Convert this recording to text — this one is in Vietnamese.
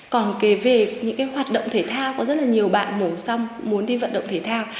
còn kể về những cái hoạt động thể thao có rất là nhiều bạn mổ xong muốn đi vận động thể thao